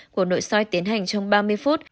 cuộc nội soi tiến hành trong ba mươi phút